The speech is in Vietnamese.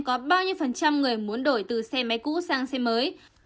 cơ quan chức năng là bao nhiêu phần trăm người muốn đổi từ xe máy cũ sang xe mới